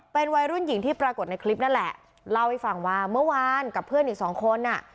เป็นวัยรุ่นหญิงที่ปรากฏในคลิปนั่นแหละเล่าให้ฟังว่าเมื่อวานกับเพื่อนอีกสองคนอ่ะ